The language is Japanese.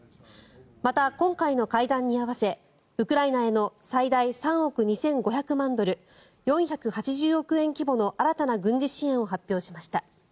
また今回の会談に合わせウクライナへの最大３億２５００万ドル４８０億円規模の新たな軍事支援を発表しました。